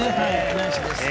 ナイスです。